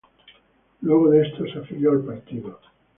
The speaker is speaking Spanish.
Luego de esto, se afilió al partido.